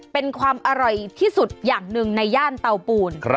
เป็นความอร่อยที่สุดอย่างหนึ่งในย่านเตาปูน